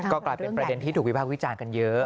ก็กลายเป็นประเด็นที่ถูกวิภาควิจารณ์กันเยอะ